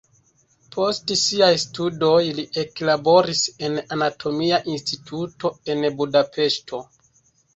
Post siaj studoj li eklaboris en anatomia instituto en Budapeŝto.